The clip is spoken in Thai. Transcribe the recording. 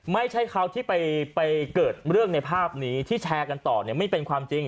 ไม่ใช่เขาที่ไปเกิดเรื่องในภาพนี้ที่แชร์กันต่อเนี่ยไม่เป็นความจริง